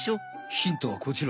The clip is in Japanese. ヒントはこちら。